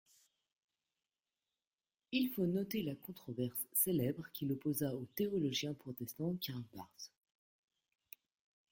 Il faut noter la controverse célèbre qui l'opposa au théologien protestant Karl Barth.